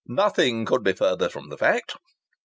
Nothing could be further from the fact."